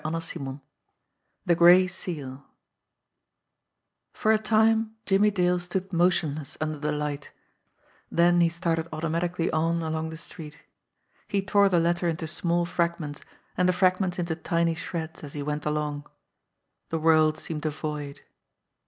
II THE GRAY SEAL FOR a time Jimmie Dale stood motionless under the light, then he started automatically on along the street. He tore the letter into small fragments and the fragments into tiny shreds as he went along. The world seemed a void.